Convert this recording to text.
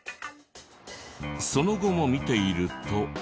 その後も見ていると。